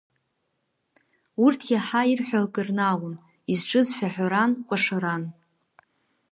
Урҭ уаха ирҳәалак рнаалон, изҿыз шәаҳәаран, кәашаран.